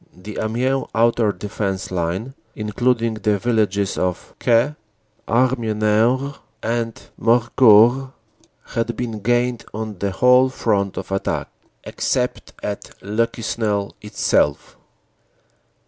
The Amiens outer defense line, including the villages of Caix, Harbonnieres and Morcourt, had been gained on the whole front of attack, except at Le Quesnel itself.